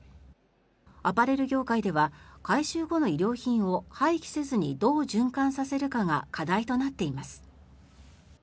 アパレル業界では回収後の衣料品を廃棄せずにどう循環させるかが課題となっています。